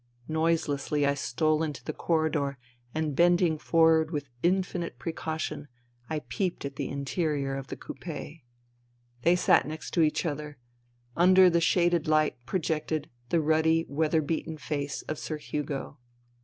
Noiselessly I stole into the corridor, and bending forward with infinite precaution, I peeped at the interior of the coupe. They sat next each other. Under the shaded light projected the ruddy weather beaten face of Sir Hugo.